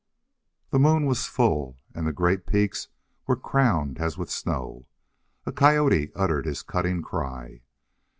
The moon was full and the great peaks were crowned as with snow. A coyote uttered his cutting cry.